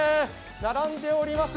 並んでおります。